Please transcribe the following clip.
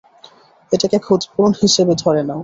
এটাকে ক্ষতিপূরণ হিসেবে ধরে নাও।